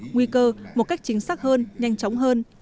nguy cơ một cách chính xác hơn nhanh chóng hơn